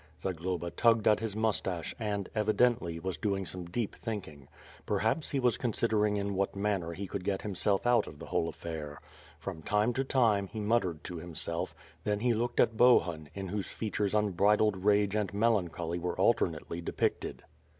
Zagloba tugged at his moustache and, evidently, was doing some deep thinking. Perhaps he was considering in what manner he could get himself out of the whole affair. From time to time, he muttered to himself, then he looked at Bohun, in whose features unbridled rage and melancholy were alternately depicted.